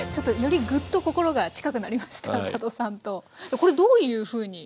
これどういうふうに？